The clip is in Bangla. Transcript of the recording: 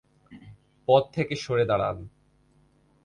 পথ থেকে সরে দাঁড়ান!